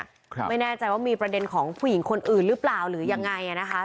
ครับไม่แน่ใจว่ามีประเด็นของผู้หญิงคนอื่นหรือเปล่าหรือยังไงอ่ะนะคะ